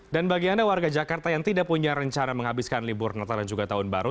dan bagi anda warga jakarta yang tidak punya rencana menghabiskan libur natal dan juga tahun baru